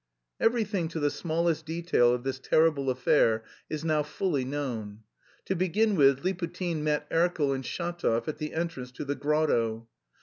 Everything, to the smallest detail of this terrible affair, is now fully known. To begin with, Liputin met Erkel and Shatov at the entrance to the grotto.